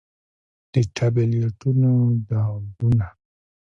د ټابليټنو ډولونه: